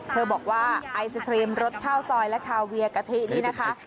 เธอบอกว่าไอศครีมรสข้าวซอยและทาเวียกะทินี่นะคะ